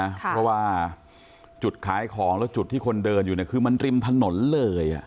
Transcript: เพราะว่าจุดขายของแล้วจุดที่คนเดินอยู่เนี่ยคือมันริมถนนเลย